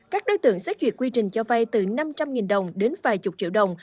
các đối tượng xét duyệt quy trình cho vay từ năm trăm linh đồng đến vài chục triệu đồng